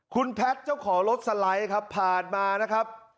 คุณแพทย์เจ้าของรถสไลด์ครับผ่านมานะครับ